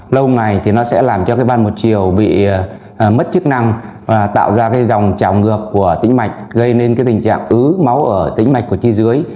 lâu ngày thì nó sẽ làm cho ban một chiều bị mất chức năng và tạo ra dòng trào ngược của tĩnh mạch gây nên tình trạng ứ máu ở tĩnh mạch của chi dưới